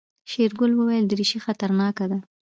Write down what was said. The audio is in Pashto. شېرګل وويل دريشي خطرناکه ده.